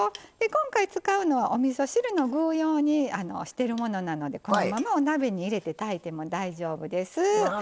今回使うのはおみそ汁の具用にしてるものなのでこのままお鍋に入れて炊いても大丈夫です。